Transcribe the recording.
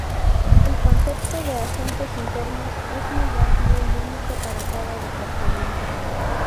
El concepto de "Asuntos Internos" es muy amplio y único para cada departamento.